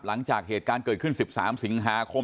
หลังจากเหตุการณ์เกิดขึ้น๑๓สิงหาคม